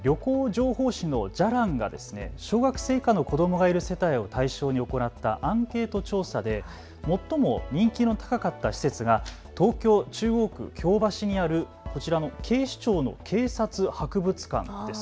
ちなみにですけれども旅行情報誌のじゃらんが小学生以下の子どもがいる世帯を対象に行ったアンケート調査で最も人気の高かった施設が東京中央区京橋にあるこちらの警視庁の警察博物館です。